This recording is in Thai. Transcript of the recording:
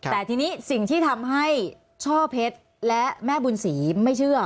แต่ทีนี้สิ่งที่ทำให้ช่อเพชรและแม่บุญศรีไม่เชื่อ